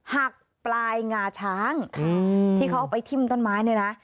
หักปลายงาช้างที่เขาเอาไปทิ้มต้นไม้เนี่ยนะ